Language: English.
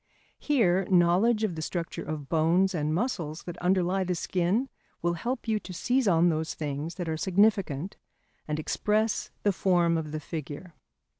Here knowledge of the structure of bones and muscles that underlie the skin will help you to seize on those things that are significant and express the form of the figure.